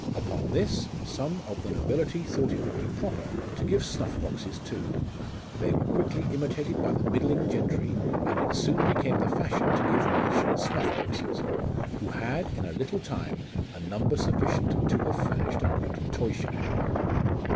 Upon this some of the nobility thought it would be proper to give snuff boxes too ; they were quickly imitated by the middling gentry, and it soon became the fashion to give Nash snuff boxes, who had in a little time a number sufficient to have furnished a good toy shop.